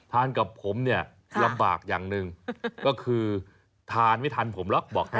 กับผมเนี่ยลำบากอย่างหนึ่งก็คือทานไม่ทันผมหรอกบอกให้